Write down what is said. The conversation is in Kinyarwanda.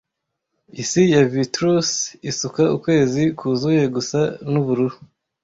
Isi ya vitreous isuka ukwezi kwuzuye gusa n'ubururu!